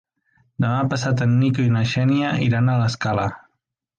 Demà passat en Nico i na Xènia iran a l'Escala.